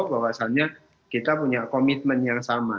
bahwasannya kita punya komitmen yang sama